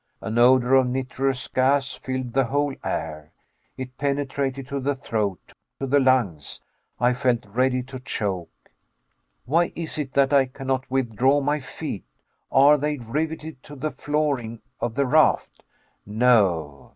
An odor of nitrous gas filled the whole air; it penetrated to the throat, to the lungs. I felt ready to choke. Why is it that I cannot withdraw my feet? Are they riveted to the flooring of the raft? No.